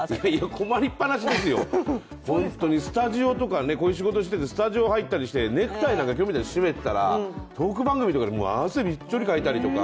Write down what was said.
困りっぱなしですよ、ホントにこういう仕事をしててスタジオ入ったりして、ネクタイなんか今日みたいに締めてたらトーク番組とかで汗びっちょりかいたりとか。